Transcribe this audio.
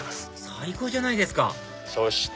最高じゃないですかそして。